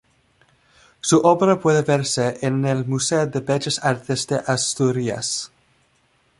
Su obra puede verse en el Museo de Bellas Artes de Asturias.